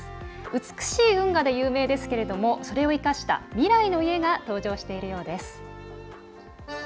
美しい運河で有名ですけれどもそれを生かした未来の家が登場しているようです。